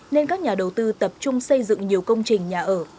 nên các nhà đầu tư tập trung xây dựng nhiều công trình nhà ở